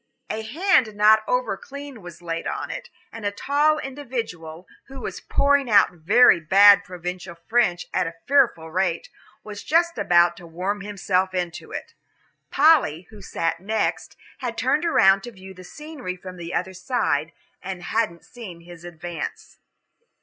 A hand not over clean was laid on it, and a tall individual, who was pouring out very bad provincial French at a fearful rate, was just about to worm himself into it. Polly, who sat next, had turned around to view the scenery from the other side, and hadn't seen his advance.